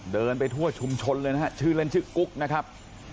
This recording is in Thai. เดินไปทั่วชุมชนเลยนะฮะชื่อเล่นชื่อกุ๊กนะครับ